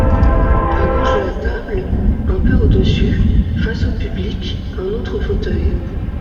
À gauche de la table, un peu au-dessus, face au public, un autre fauteuil.